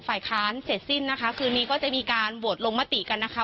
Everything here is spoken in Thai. ฝ่ายค้านเสร็จสิ้นนะคะคืนนี้ก็จะมีการโหวตลงมติกันนะคะ